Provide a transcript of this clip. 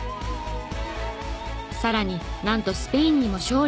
さらになんとスペインにも勝利。